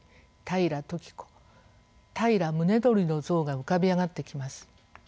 平宗盛の像が浮かび上がってきます。